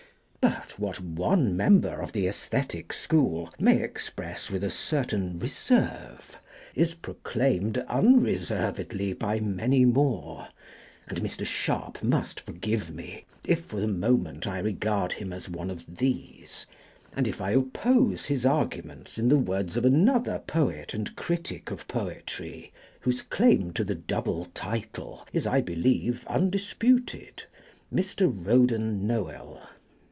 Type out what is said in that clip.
But what one member of the aesthetic school may express with a certain reserve is proclaimed unreservedly by many more; and Mr. Sharp must forgive me, if for the moment I regard him as one of these; and if I oppose his arguments in the words of another poet and critic of poetry, whose claim to the double title is I believe undisputed Mr. Roden Noel.